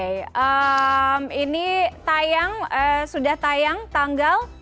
ini tayang sudah tayang tanggal dua puluh